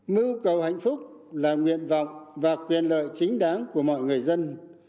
mưu cầu hạnh phúc là nguyện vọng và quyền lợi chính đáng của mọi người dân